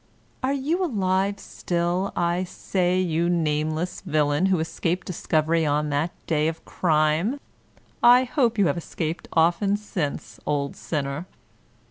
— Are you alive still, I say, you nameless villain, who escaped discovery on that day of crime? I hope you have escaped often since, old sinner.